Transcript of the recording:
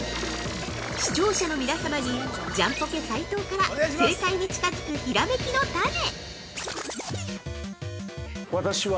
◆視聴者の皆様に、ジャンポケ斉藤から正解に近づくひらめきのタネ。